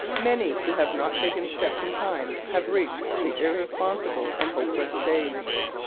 Many who have not taken steps in time have reached the irresponsible and hopeless stage.